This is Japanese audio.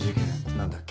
何だっけ。